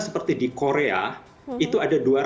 seperti di korea itu ada